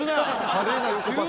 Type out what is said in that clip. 華麗な横パス